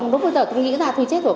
lúc bây giờ tôi nghĩ ra tôi chết rồi